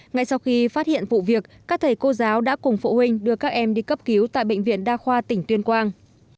ngay sau khi phát hiện vụ việc các thầy cô giáo đã cùng phụ huynh đưa các em đi cấp cứu tại bệnh viện đa khoa tỉnh tuyên quang